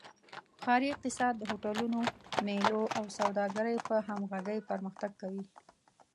ښاري اقتصاد د هوټلونو، میلو او سوداګرۍ په همغږۍ پرمختګ کوي.